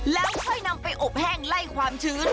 แล้วค่อยนำไปอบแห้งไล่ความชื้น